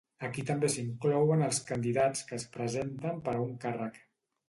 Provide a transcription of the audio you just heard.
Aquí també s'inclouen els candidats que es presenten per a un càrrec.